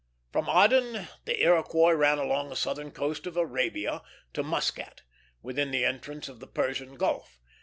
From Aden the Iroquois ran along the southern coast of Arabia to Muscat, within the entrance of the Persian Gulf.